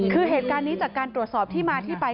คือเหตุการณ์นี้จากการตรวจสอบที่มาที่ไป